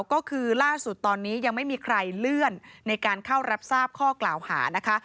ก็คือล่าสุดตอนนี้ยังไม่มีใครเลื่อนในการเข้ารับทราบข้อกล่าวหานะคะ